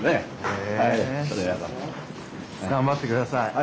頑張って下さい。